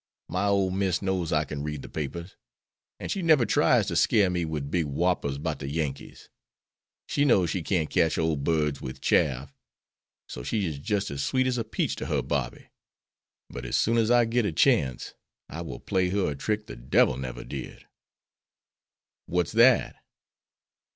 My ole Miss knows I can read the papers, an' she never tries to scare me with big whoppers 'bout the Yankees. She knows she can't catch ole birds with chaff, so she is just as sweet as a peach to her Bobby. But as soon as I get a chance I will play her a trick the devil never did." "What's that?"